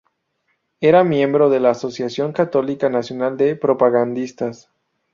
Era miembro de la Asociación Católica Nacional de Propagandistas.